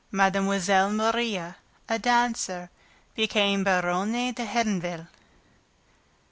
Mlle. Maria, a dancer, became Baronne d'Herneville.